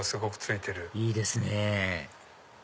いいですね